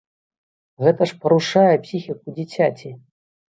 Гэта ж парушае псіхіку дзіцяці!